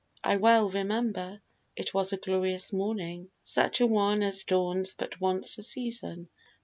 I well remember, It was a glorious morning, such a one As dawns but once a season.